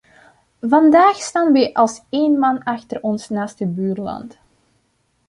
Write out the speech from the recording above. Vandaag staan wij als één man achter ons naaste buurland.